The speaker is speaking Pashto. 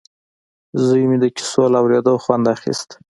زوی مې د کیسو له اورېدو خوند اخیست